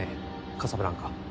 カサブランカ。